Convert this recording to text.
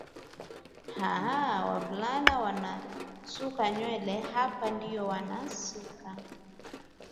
aaa wavulana wanasuka nywele hapa ndio wasuka